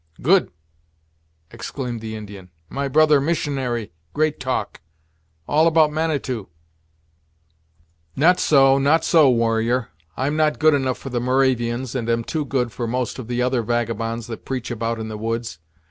"Good!" exclaimed the Indian; "my brother missionary great talk; all about Manitou." "Not so not so, warrior. I'm not good enough for the Moravians, and am too good for most of the other vagabonds that preach about in the woods.